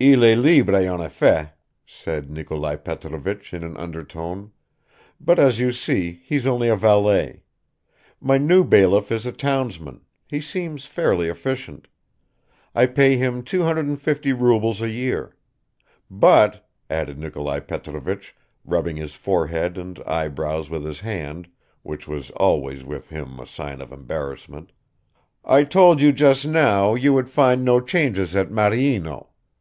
"Il est libre en effet," said Nikolai Petrovich in an undertone, "but as you see, he's only a valet. My new bailiff is a townsman he seems fairly efficient. I pay him 250 rubles a year. But," added Nikolai Petrovich, rubbing his forehead and eyebrows with his hand (which was always with him a sign of embarrassment), "I told you just now you would find no changes at Maryino